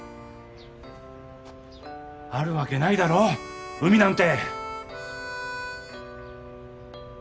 あるわけないだろ海なんて。